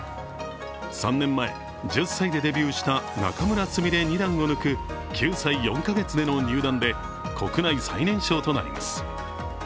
３年前、１０歳でデビューした仲邑菫二段を抜く９歳４カ月での入団で国内最年少となります。